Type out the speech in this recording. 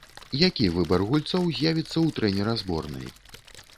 Які выбар гульцоў з'явіцца ў трэнера зборнай?